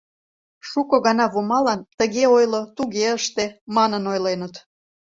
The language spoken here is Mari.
Шуко гана Вомалан «тыге ойло, туге ыште» манын ойленыт.